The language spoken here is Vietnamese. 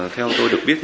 theo tôi được biết